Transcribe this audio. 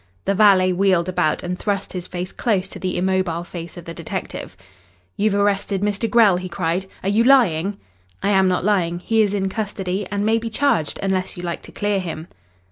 The valet wheeled about and thrust his face close to the immobile face of the detective. "You've arrested Mr. Grell?" he cried. "Are you lying?" "I am not lying. He is in custody and may be charged unless you like to clear him."